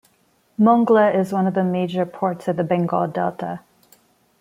Mongla is one of the major ports of the Bengal delta.